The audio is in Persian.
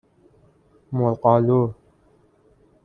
مرغ آلو